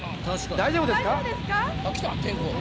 大丈夫ですか？